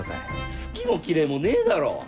好きも嫌いもねえだろう。